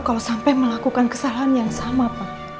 kalau sampai melakukan kesalahan yang sama pak